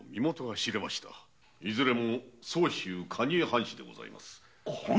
いずれも蟹江藩士でございます。